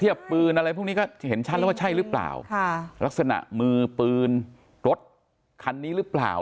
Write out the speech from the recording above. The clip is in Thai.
ปืนอะไรพวกนี้ก็เห็นชัดแล้วว่าใช่หรือเปล่าค่ะลักษณะมือปืนรถคันนี้หรือเปล่า